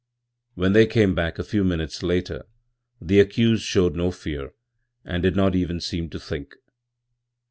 When they came back a few minutes later the accused showed no fear and did not even seem to think.